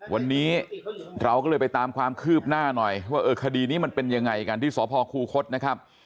วันนี้เราก็เลยไปตามความคืบหน้าหน่อยว่าเออคดีนี้มันเป็นยังไงกันที่สพคูคศนะครับ